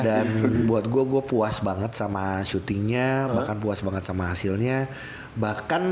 buat gue gue puas banget sama syutingnya bahkan puas banget sama hasilnya bahkan